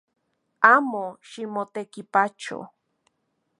Amo ximotekipacho